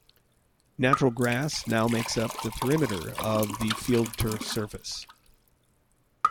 Natural grass now makes up the perimeter of the FieldTurf surface.